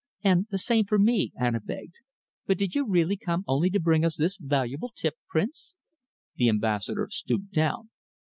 "And the same for me," Anna begged. "But did you really come only to bring us this valuable tip, Prince?" The Ambassador stooped down.